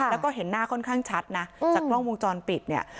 แล้วก็เห็นหน้าค่อนข้างชัดนะจากกล้องวงจรปิดเนี่ย